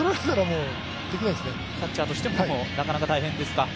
キャッチャーとしてもなかなか大変ですか。